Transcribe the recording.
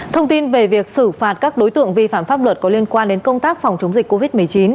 thông tin về việc xử phạt các đối tượng vi phạm pháp luật có liên quan đến công tác phòng chống dịch covid một mươi chín